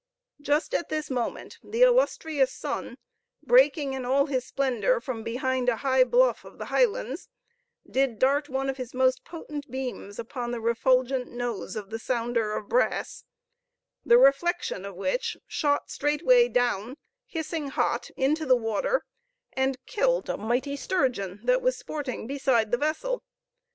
Just at this moment the illustrious sun, breaking in all his splendor from behind a high bluff of the Highlands, did dart one of his most potent beams full upon the refulgent nose of the sounder of brass; the reflection of which shot straightway down, hissing hot, into the water, and killed a mighty sturgeon that was sporting beside the vessel!